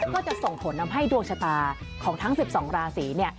ก็จะส่งผลทำให้ดวงชะตาของทั้ง๑๒ราศีเนี่ย